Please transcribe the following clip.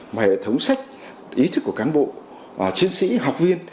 mà hệ thống sách ý thức của cán bộ chiến sĩ học viên